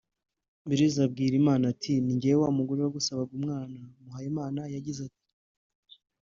Belise abwira Imana ati “Ni njyewe wa mugore wagusabaga umwana” Muhayimana yagize ati